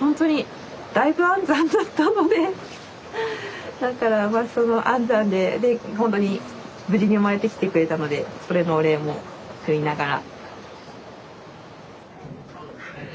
ほんとにだいぶ安産だったのでだから安産ででほんとに無事に生まれてきてくれたのでそれのお礼も言いながら。